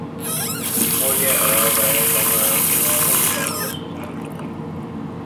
后夜蛾为隆蛾科后夜蛾属下的一个种。